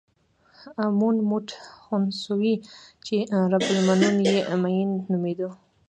امون موټ خونسو چې رب النوع یې مېن نومېده.